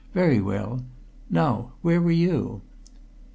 Very well. Now where were you?"